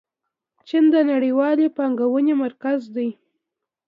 چین د نړیوالې پانګونې مرکز دی.